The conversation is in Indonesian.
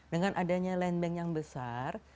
dengan adanya land bank yang besar